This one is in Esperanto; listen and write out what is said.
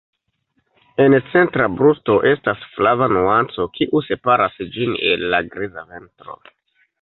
En centra brusto estas flava nuanco kiu separas ĝin el la griza ventro.